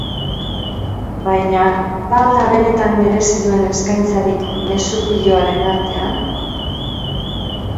Baina, ba al da benetan merezi duen eskaintzarik mezu piloaren artean?